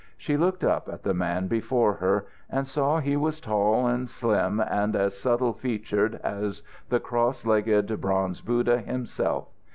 She looked up at the man before her, and saw he was tall and slim and as subtle featured as the cross legged bronze Buddha himself.